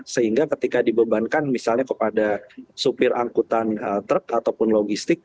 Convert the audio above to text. sehingga ketika dibebankan misalnya kepada supir angkutan truk ataupun logistik